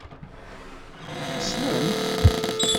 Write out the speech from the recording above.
Tḥeṣlemt?